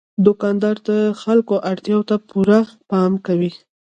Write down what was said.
دوکاندار د خلکو اړتیا ته پوره پام کوي.